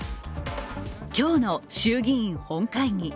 今日の衆議院本会議。